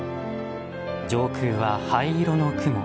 上空は灰色の雲。